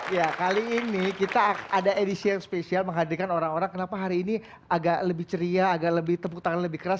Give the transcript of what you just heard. ya kali ini kita ada edisi yang spesial menghadirkan orang orang kenapa hari ini agak lebih ceria agak lebih tepuk tangan lebih keras